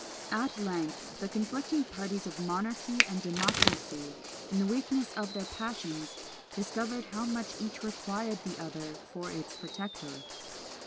At length the conflicting parties of monarchy and democracy, in the weakness of their passions, discovered how much each required the other for its protector.